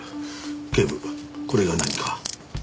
警部これが何か？